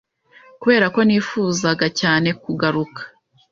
Kubera ko nifuzaga cyane kugaruka